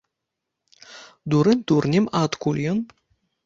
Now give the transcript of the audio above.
Дурань дурнем, а адкуль ён?